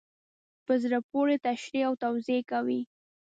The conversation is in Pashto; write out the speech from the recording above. په زړه پوري تشریح او توضیح کوي.